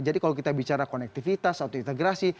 jadi kalau kita bicara konektivitas atau integrasi